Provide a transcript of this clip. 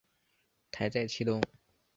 台在其东。